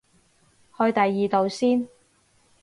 去第二度先